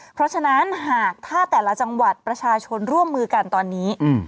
เพราะฉะนั้นหากถ้าแต่ละจังหวัดประชาชนร่วมมือกันตอนนี้